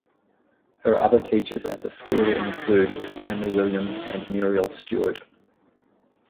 Her other teachers at the school include Stanley Williams and Muriel Stuart.